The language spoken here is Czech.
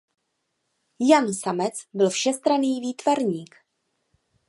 Jan Samec byl všestranný výtvarník.